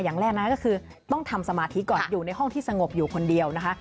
อย่างแรกนะคะก็คือต้องทำสมาธิก่อนอยู่ในห้องที่สงบอยู่คนเดียวนะคะ